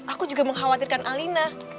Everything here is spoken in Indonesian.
aku juga mengkhawatirkan alina